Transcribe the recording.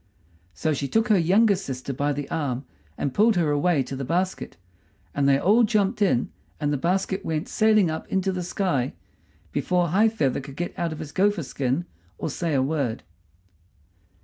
So she took her youngest sister by the arm and pulled her away to the basket, and they all jumped in and the basket went sailing up into the sky before High feather could get out of his gopher skin or say a word.